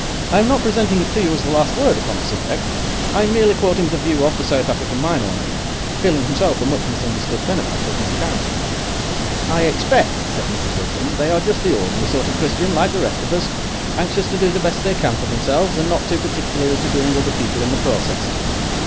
"I am not presenting it to you as the last word upon the subject. I am merely quoting the view of the South African mine owner, feeling himself a much misunderstood benefactor of mankind." "I expect," said Mrs. Wilkins, "they are just the ordinary sort of Christian, like the rest of us, anxious to do the best they can for themselves, and not too particular as to doing other people in the process."